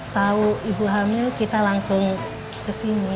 tau ibu hamil kita langsung kesini